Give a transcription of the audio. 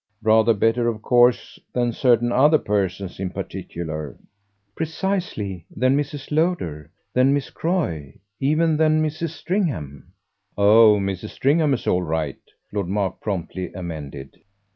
Rather better, of course, than certain other persons in particular." "Precisely than Mrs. Lowder, than Miss Croy, even than Mrs. Stringham." "Oh Mrs. Stringham's all right!" Lord Mark promptly amended.